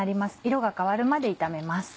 色が変わるまで炒めます。